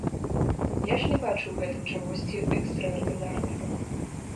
Я ж не бачу ў гэтым чагосьці экстраардынарнага.